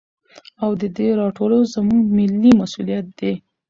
او د دې راټولو زموږ ملي مسوليت دى.